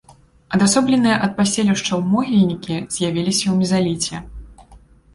Адасобленыя ад паселішчаў могільнікі з'явіліся ў мезаліце.